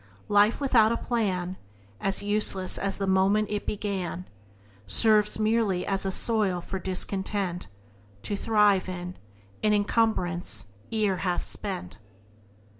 "Life without a plan, As useless as the moment it began, Serves merely as a soil for discontent To thrive in, an encumbrance ere half spent."